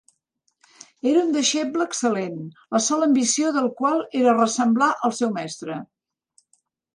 Era un deixeble excel·lent, la sola ambició del qual era ressemblar al seu mestre.